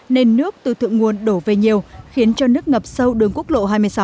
nên nước từ thượng nguồn đổ về nhiều khiến cho nước ngập sâu đường quốc lộ hai mươi sáu